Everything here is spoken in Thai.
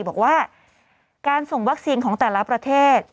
บอกว่าการส่งวัคซีนของแต่ละประเทศ